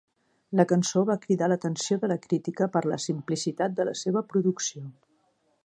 La cançó va cridar l'atenció de la crítica per la simplicitat de la seva producció.